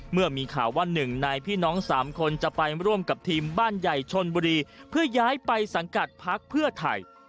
เมื่อมีข่าวว่าหนึ่งในพี่น้อง๓คนจะไปร่วมกับทีมบ้านใหญ่ชนบุรีเพื่อย้ายไปสังกัดพักเพื่อไทย